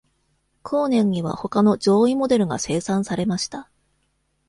後年には他の上位モデルが生産されました。